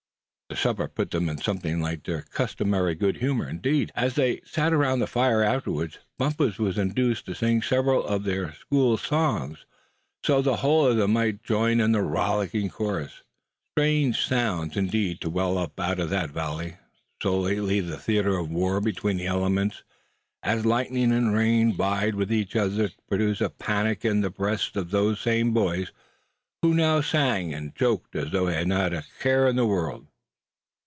The supper put them in something like their customary good humor. Indeed, as they sat around the fire afterwards, Bumpus was induced to sing several of their school songs, so that the whole of them might join in the rollicking chorus. Strange sounds indeed to well up out of that valley, so lately the theater of a war between the elements, as lightning and rain vied with each other to produce a panic in the breasts of these same boys who now sang and joked as though they had not a care in the world.